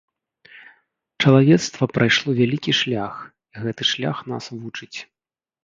Чалавецтва прайшло вялікі шлях, і гэты шлях нас вучыць.